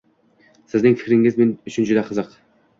Sizning fikringiz men uchun juda qiziq.